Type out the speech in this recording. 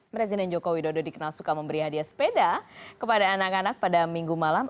presiden joko widodo dikenal suka memberi hadiah sepeda kepada anak anak pada minggu malam